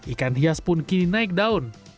ikan hias pun kini naik daun